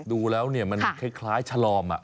ดูแล้วมันคล้ายฉลอม